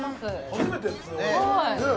初めてです俺も